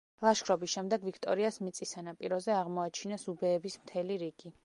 ლაშქრობის შედეგად ვიქტორიას მიწის სანაპიროზე აღმოაჩინეს უბეების მთელი რიგი.